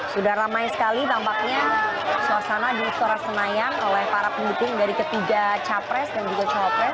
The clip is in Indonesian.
sudah ramai sekali tampaknya suasana di istora senayan oleh para pendukung dari ketiga capres dan juga cowopres